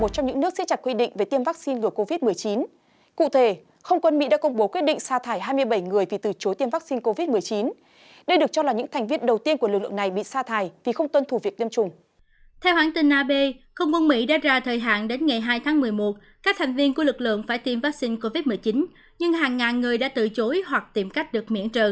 các bạn hãy đăng ký kênh để ủng hộ kênh của chúng mình nhé